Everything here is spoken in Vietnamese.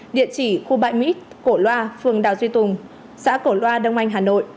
điện chỉ khu bạch mỹ cổ loa phường đào duy tùng xã cổ loa đông anh hà nội